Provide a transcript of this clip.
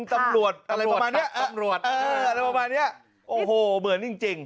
ตำรวจอะไรประมาณนี้อะไรประมาณนี้โอ้โหเหมือนจริง